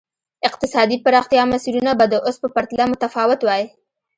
اقتصادي پراختیا مسیرونه به د اوس په پرتله متفاوت وای.